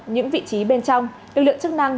những vị trí bên trong lực lượng chức năng